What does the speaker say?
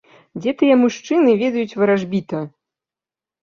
Дзе тыя мужчыны ведаюць варажбіта!